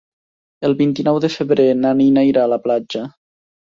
El vint-i-nou de febrer na Nina irà a la platja.